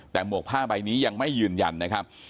แต่หมวกผ้าใบนี้ยังไม่ยืนยันนะครับ